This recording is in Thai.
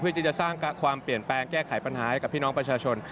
ที่จะสร้างความเปลี่ยนแปลงแก้ไขปัญหาให้กับพี่น้องประชาชน